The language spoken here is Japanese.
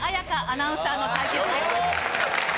アナウンサーの対決です。